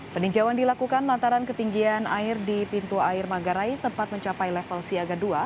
peninjauan dilakukan lantaran ketinggian air di pintu air manggarai sempat mencapai level siaga dua